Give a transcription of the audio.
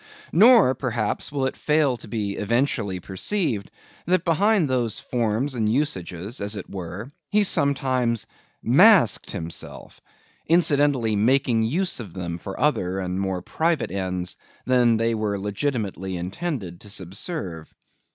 Nor, perhaps, will it fail to be eventually perceived, that behind those forms and usages, as it were, he sometimes masked himself; incidentally making use of them for other and more private ends than they were legitimately intended to subserve.